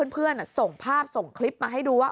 เพื่อนส่งภาพส่งคลิปมาให้ดูว่า